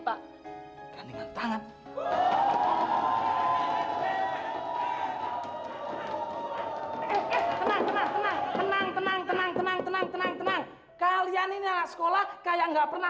bapak gak nyangka